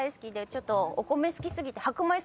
ちょっとお米好き過ぎて。